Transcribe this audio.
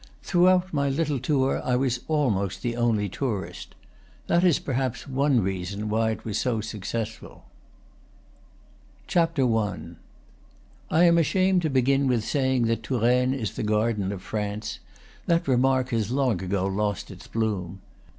Throughout my little tour I was almost the only tourist. That is perhaps one reason why it was so successful. I. I am ashamed to begin with saying that Touraine is the garden of France; that remark has long ago lost its bloom.